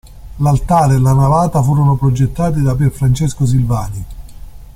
L'altare e la navata furono progettati da Pier Francesco Silvani.